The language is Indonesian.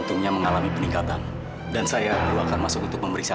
saya pengen lihat anak saya dong boleh ya